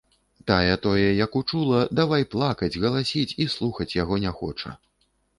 Тая тое як учула, давай плакаць, галасіць і слухаць яго не хоча.